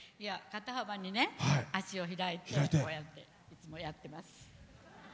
肩幅に足を開いてこうやって、いつもやってます。